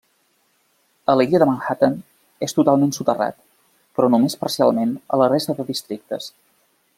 A l'illa de Manhattan és totalment soterrat, però només parcialment a la resta de districtes.